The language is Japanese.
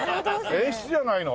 演出じゃないの？